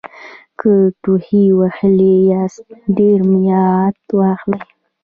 که ټوخي وهلي یاست ډېر مایعت واخلئ